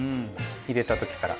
入れたときから。